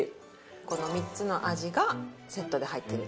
この３つの味がセットで入ってる。